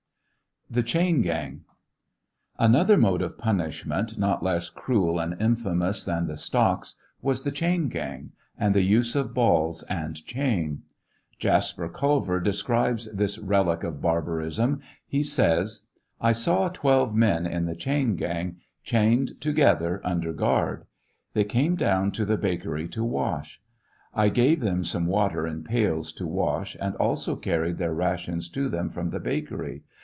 THE CHAIN GANG. Another mode of punishment, not less cruel and infamous than the stocks, was the chain gang, and the use of balls and chain. Jaspar Culver describes this relic of barbarism. He says : I saw 12 men in the chain gang, chained together, under guard. They came down to the bakery to wash. I gave them some water in pails to wash, and also carried their rations to them from the bakery.